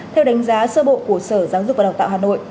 theo đánh giá sơ bộ của sở giáo dục và đào tạo hà nội